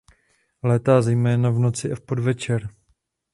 Létá zejména v noci a v podvečer.